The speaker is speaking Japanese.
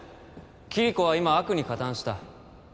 キリコは今悪に加担した